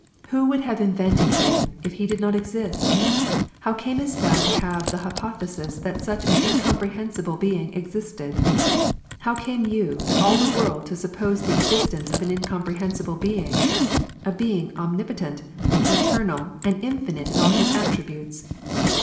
"Who would have invented Him, if He did not exist ? How camest thou to have the hypothesis that such an imcomprehensible being existed ? How came you and all the world to suppose the existence of an incomprehensible being, — a being omnipotent, eternal, and infinite in all llis attri butes